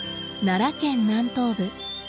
奈良県南東部。